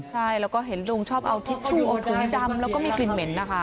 ใช่แล้วก็เห็นลุงชอบเอาทิชชู่เอาถุงดำแล้วก็มีกลิ่นเหม็นนะคะ